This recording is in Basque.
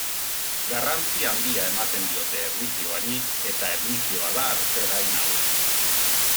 Garrantzi handia ematen diote erlijioari, eta erlijioa da arte-gai nagusia.